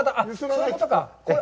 そういうことか。